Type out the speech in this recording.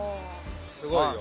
すごいよ。